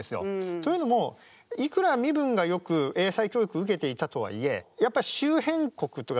というのもいくら身分がよく英才教育を受けていたとはいえやっぱり周辺国というか。